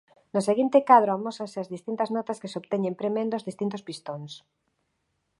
No seguinte cadro amósanse as distintas notas que se obteñen premendo os distintos pistóns.